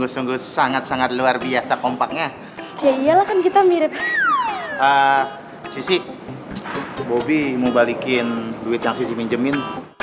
sisi bobby mau balikin duit yang sisi minjemin